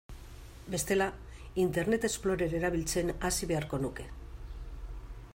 Bestela, Internet Explorer erabiltzen hasi beharko nuke.